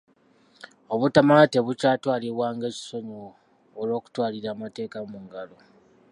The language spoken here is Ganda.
Obutamanya tebukyatwalibwa ng'ekisonyiwo olw'okutwalira amateeka mu ngalo.